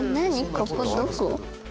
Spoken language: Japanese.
ここどこ？